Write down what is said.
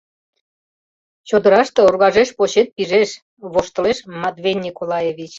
— Чодыраште оргажеш почет пижеш, — воштылеш Матвей Николаевич.